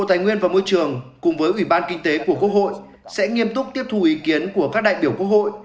bộ tài nguyên và môi trường cùng với ủy ban kinh tế của quốc hội sẽ nghiêm túc tiếp thù ý kiến của các đại biểu quốc hội